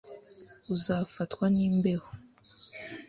uzafatwa n'imbeho